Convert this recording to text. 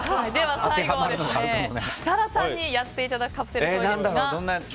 最後は、設楽さんにやっていただくカプセルトイ。